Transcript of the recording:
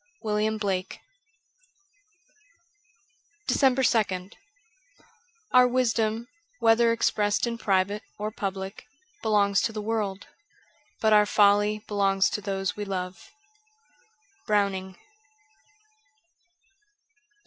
'William Blake: Vf DECEMBER 2nd OUR wisdom, whether expressed in private or public, belongs to the world, but our folly belongs to those we love. 'Browning.'